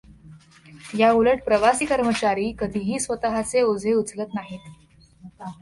याउलट ‘प्रवासी’ कर्मचारी कधीही स्वतःचे ओझे उचलत नाहीत.